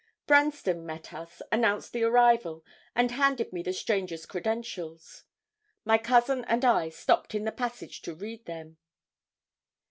Branston met us, announced the arrival, and handed me the stranger's credentials. My cousin and I stopped in the passage to read them.